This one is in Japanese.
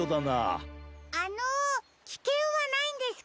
あのきけんはないんですか？